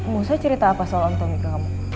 musa cerita apa soal om tommy ke kamu